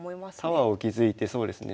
タワーを築いてそうですね。